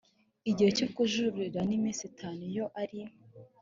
igihe cyo kujurira ni iminsi itanu iyo ari